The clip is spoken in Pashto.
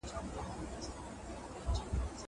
نجونې تر هلکانو ډېر د ناامنۍ وېره لري.